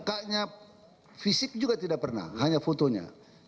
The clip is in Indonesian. lihat mukanya fisik juga tidak pernah hanya fotonya